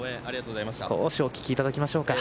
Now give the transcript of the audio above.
少しお聞きいただきましょうか。